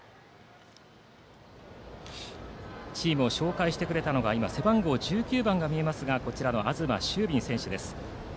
チームを紹介してくれたのは背番号１９番の東丞敏選手です。